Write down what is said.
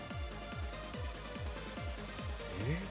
えっ？